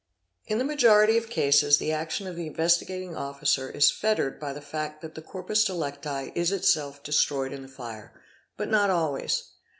| In the majority of cases the action of the Investigating Officer is fet tered by the fact that the corpus delicti is itself destroyed in the fire; but not always.